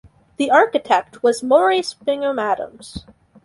The architect was Maurice Bingham Adams.